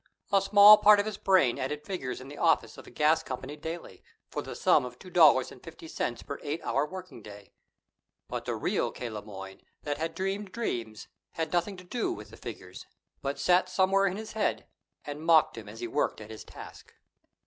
A small part of his brain added figures in the office of a gas company daily, for the sum of two dollars and fifty cents per eight hour working day. But the real K. Le Moyne that had dreamed dreams, had nothing to do with the figures, but sat somewhere in his head and mocked him as he worked at his task.